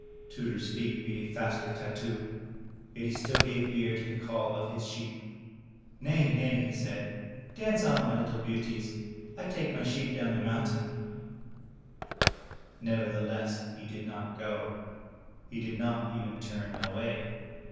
Tudur's feet beat a faster tattoo, yet he still gave ear to the call of his sheep. "Nay, nay," he said, "dance on, my little beauties! I take my sheep down the moimtain." 396 THROUGH FAIRY HALLS Nevertheless he did not go, he did not even turn away.